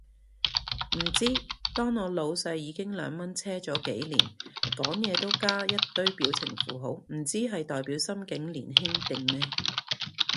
唔知，當我老細已經兩蚊車咗幾年，講嘢都加一堆表情符號，唔知係代表心境年輕定咩